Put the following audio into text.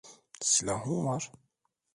Silahın var.